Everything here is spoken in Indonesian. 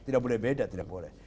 tidak boleh beda tidak boleh